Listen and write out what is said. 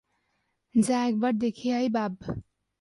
যা একবার দেখে আই, বাব।